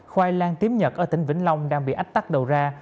khoai lang tiếm nhật ở tỉnh vĩnh long đang bị ách tắt đầu ra